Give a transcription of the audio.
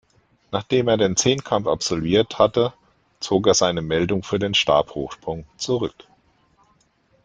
Nachdem er den Zehnkampf absolviert hatte, zog er seine Meldung für den Stabhochsprung zurück.